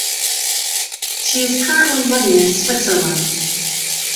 She is currently living in Switzerland.